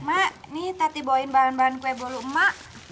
mak nih tati bawain bahan bahan kue bolu mak